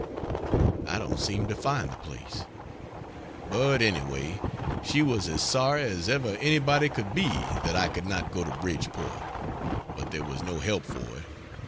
I don't seem to find the place; but anyway she was as sorry as ever anybody could be that I could not go to Bridgeport, but there was no help for it.